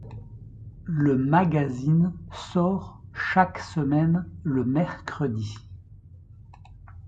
Le magazine sort chaque semaine le mercredi.